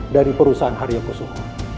dari perusahaan haria pusuh